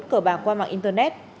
cở bạc qua mạng internet